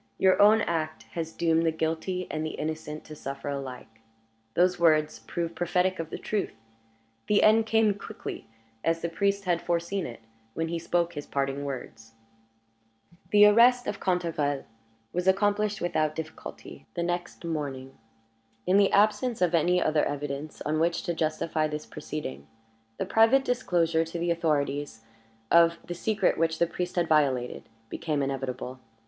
Your own act has doomed the guilty and the innocent to suffer alike." Those words proved prophetic of the truth. The end came quickly, as the priest had foreseen it, when he spoke his parting words. The arrest of Cantegrel was accomplished without difficulty the next morning. In the absence of any other evidence on which to justify this proceeding, the private disclosure to the authorities of the secret which the priest had violated became inevitable.